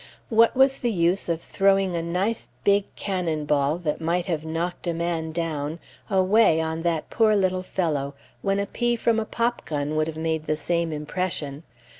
What was the use of throwing a nice, big cannon ball, that might have knocked a man down, away on that poor little fellow, when a pea from a popgun would have made the same impression?